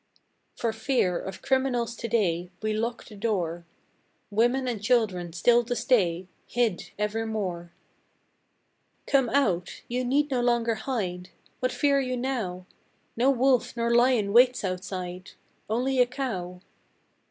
For fear of criminals today We lock the door; Women and children still to stay Hid evermore. Come out! Ye need no longer hide! What fear you now? No wolf nor lion waits outside Only a cow.